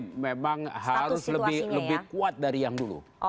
tapi memang harus lebih kuat dari yang dulu